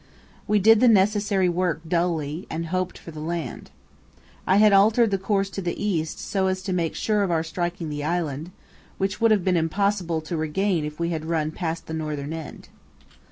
We did the necessary work dully and hoped for the land. I had altered the course to the east so as to make sure of our striking the island, which would have been impossible to regain if we had run past the northern end.